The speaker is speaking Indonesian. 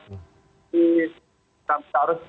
di nusantara itu